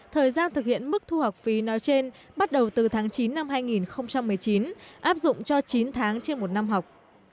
thời gian thực hiện mức thu học phí nói trên bắt đầu từ tháng chín năm hai nghìn một mươi chín áp dụng cho chín tháng trên một năm học